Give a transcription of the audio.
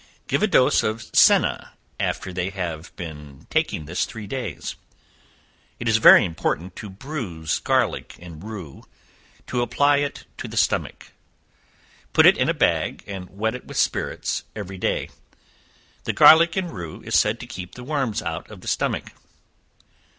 Give a dose of senna after they have been taking this three days. It is very important to bruise garlic and rue, to apply to the stomach; put it in a bag, and wet it with spirits every day. The garlic and rue is said to keep the worms out of the stomach.